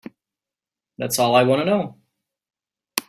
That's all I want to know.